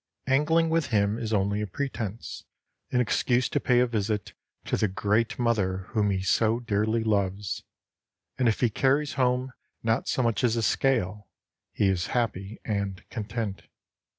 Angling with him is only a pretense, an excuse to pay a visit to the great mother whom he so dearly loves; and if he carries home not so much as a scale, he is happy and content.